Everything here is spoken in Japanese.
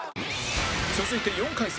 続いて４回戦